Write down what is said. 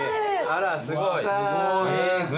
あらすごい。